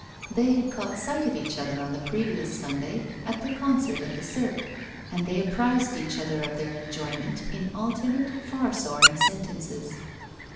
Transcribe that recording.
They had caught sight of each other on the previous Sunday at the concert at the Cirque, and they apprised each other of their enjoyment in alternate, far soaring sentences.